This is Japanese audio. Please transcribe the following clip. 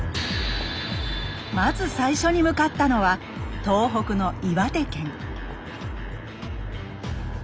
まず最初に向かったのは東北の岩手県。